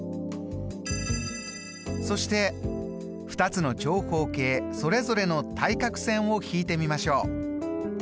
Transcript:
そして２つの長方形それぞれの対角線を引いてみましょう。